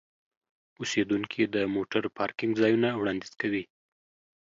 اوسیدونکي د موټر پارکینګ ځایونه وړاندیز کوي.